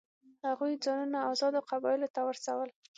هغوی ځانونه آزادو قبایلو ته ورسول.